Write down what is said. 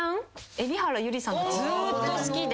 蛯原友里さんがずーっと好きで。